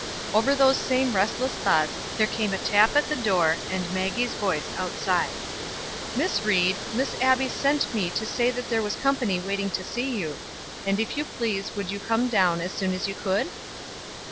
Over those same restless thoughts there came a tap at the door, and Maggie's voice outside. "Miss Ried, Miss Abbie sent me to say that there was company waiting to see you, and if you please would you come down as soon as you could?"